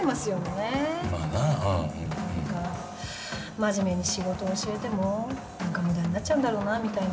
真面目に仕事を教えても何か無駄になっちゃうんだろうなみたいな。